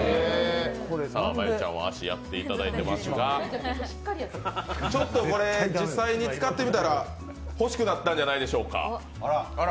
真悠ちゃんは足をやっていただいていますが実際に使ってみたら欲しくなったんじゃないでしょうか。